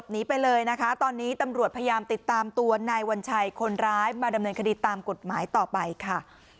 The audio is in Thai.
พยายามติดตามตัวนายวัญชัยคนร้ายมาดำเนินคดีตามกฎหมายต่อไปค่ะ